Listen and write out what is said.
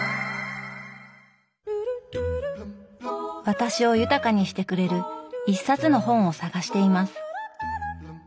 私を豊かにしてくれる一冊の本を探しています。